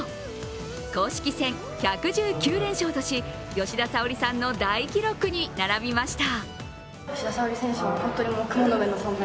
公式戦１１９連勝とし吉田沙保里さんの大記録に並びました。